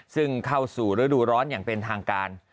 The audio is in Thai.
ซึ่งเข้าสู่ฤดูร้อนอย่างเป็นทางการ